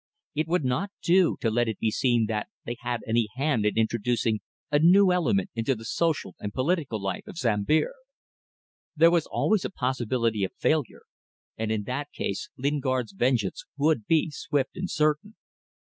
It would not do to let it be seen that they had any hand in introducing a new element into the social and political life of Sambir. There was always a possibility of failure, and in that case Lingard's vengeance would be swift and certain.